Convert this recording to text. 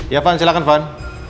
irfan silahkan irfan